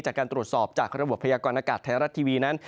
จากการตรวจสอบจากระบบพยากรณากาศไทยรัฐทีวีนั้น